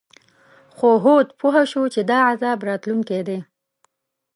خو هود پوه شو چې دا عذاب راتلونکی دی.